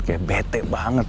kayak bete banget